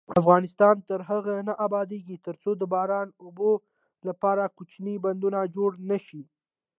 افغانستان تر هغو نه ابادیږي، ترڅو د باران اوبو لپاره کوچني بندونه جوړ نشي.